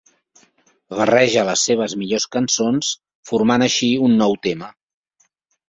Barreja les seves millors cançons formant així un nou tema.